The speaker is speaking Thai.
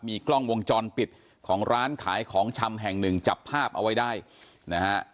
กล้องวงจรปิดของร้านขายของชำแห่งหนึ่งจับภาพเอาไว้ได้นะฮะ